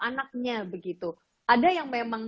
anaknya begitu ada yang memang